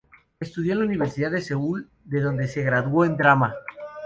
Estudió en la Universidad de Seúl de donde se graduó en drama.